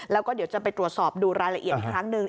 แล้วก็เดี๋ยวจะไปตรวจสอบดูรายละเอียดอีกครั้งหนึ่ง